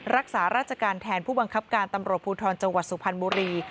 รักษาราชการแทนผู้บังคับการตำรวจภูทรจังหวัดสุพรรณบุรี